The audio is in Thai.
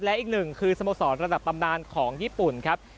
และอีกหนึ่งคือสโมสรระดับตำนานของญี่ปุ่นครับ